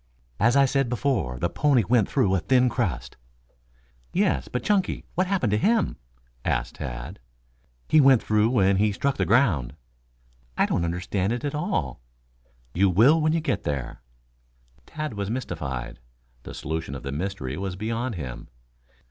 "As I said before, the pony went through a thin crust " "Yes, but Chunky what happened to him?" asked Tad. "He went through when he struck the ground." "I don't understand it at all." "You will when you get there." Tad was mystified. The solution of the mystery was beyond him.